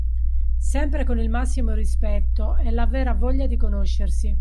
Sempre con il massimo rispetto e la vera voglia di conoscersi.